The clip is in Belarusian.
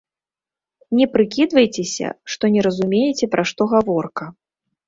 Не прыкідвайцеся, што не разумееце, пра што гаворка.